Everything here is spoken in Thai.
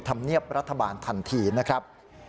ธรรมเนียบรัฐบาลทันทีนะครับ